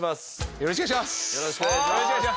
よろしくお願いします。